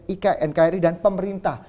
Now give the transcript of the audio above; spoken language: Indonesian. ika nkri dan pemerintah